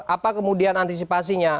apa kemudian antisipasinya